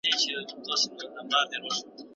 یو ماشوم چي دښته کي زده کړې کوي، ډیر خوشاله دی.